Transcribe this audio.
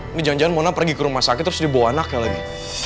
ini jangan jangan mona pergi ke rumah sakit terus dibawa anaknya lagi